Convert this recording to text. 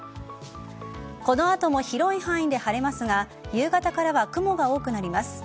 この後も広い範囲で晴れますが夕方からは雲が多くなります。